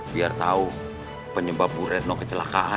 biar tahu penyebab bu retno kecelakaan